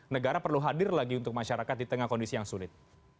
negara perlu hadir lagi untuk masyarakat di tengah kondisi yang sulit